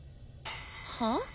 はあ？